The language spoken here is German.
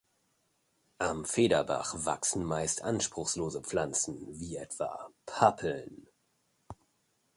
Am Federbach wachsen meist anspruchslose Pflanzen wie etwa Pappeln.